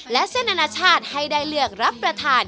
และเส้นอนาชาติให้ได้เลือกรับประทาน